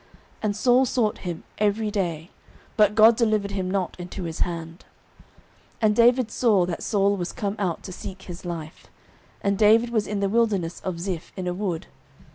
And Saul sought him every day, but God delivered him not into his hand. 09:023:015 And David saw that Saul was come out to seek his life: and David was in the wilderness of Ziph in a wood.